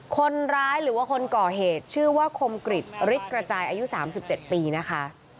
คนร้ายหรือว่าคนก่อเหตุชื่อว่าคมกริจฤทธิกระจายอายุ๓๗ปีนะคะ